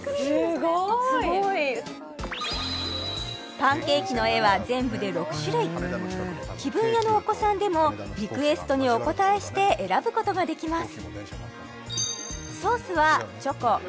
パンケーキの絵は全部で６種類気分屋のお子さんでもリクエストにお応えして選ぶことができます